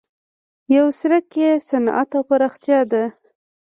یو څرک یې صنعت او پراختیا ده.